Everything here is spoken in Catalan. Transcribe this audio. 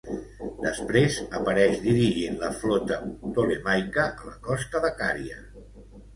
Després apareix dirigint la flota ptolemaica a la costa de Cària.